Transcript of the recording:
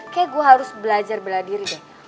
kayaknya gue harus belajar bela diri deh